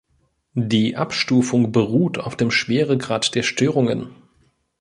Die Abstufung beruht auf dem Schweregrad der Störungen.